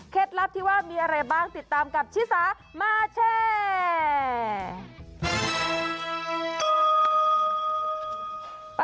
ลับที่ว่ามีอะไรบ้างติดตามกับชิสามาแชร์